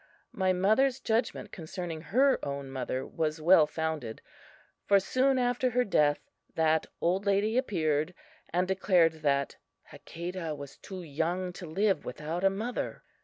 My mother's judgment concerning her own mother was well founded, for soon after her death that old lady appeared, and declared that Hakadah was too young to live without a mother.